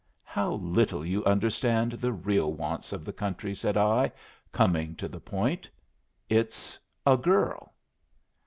"How little you understand the real wants of the country!" said I, coming to the point. "It's a girl."